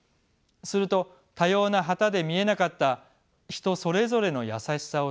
すると多様な旗で見えなかった人それぞれの優しさを知る。